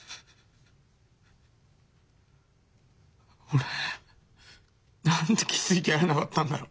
俺何で気づいてやれなかったんだろ。